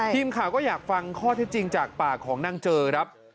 ทีมข่าวก็อยากฟังข้อเท็จจริงจากปากของนางเจอครับ